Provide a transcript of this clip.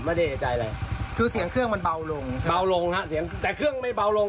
ไม่ได้เอกใจอะไรคือเสียงเครื่องมันเบาลงเบาลงฮะเสียงแต่เครื่องไม่เบาลง